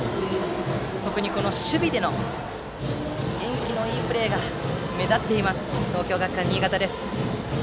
特に守備での元気のいいプレーが目立っている東京学館新潟です。